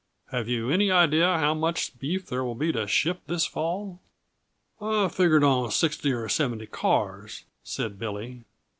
Have you any idea how much beef there will be to ship this fall?" "I figured on sixty or seventy cars," said Billy.